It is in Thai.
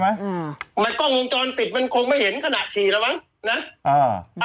มันกล้องมุมจรปิดมันคงไม่เห็นขนาดฉี่ระวังนะ